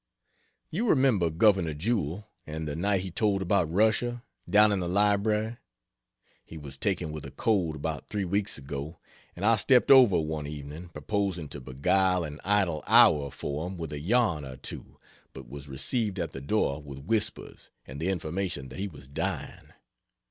You remember Governor Jewell, and the night he told about Russia, down in the library. He was taken with a cold about three weeks ago, and I stepped over one evening, proposing to beguile an idle hour for him with a yarn or two, but was received at the door with whispers, and the information that he was dying.